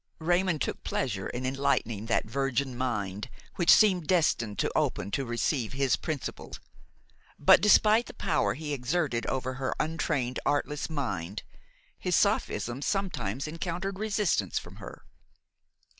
Raymon took pleasure in enlightening that virgin mind which seemed destined to open to receive his principles; but, despite the power he exerted over her untrained, artless mind, his sophisms sometimes encountered resistance from her.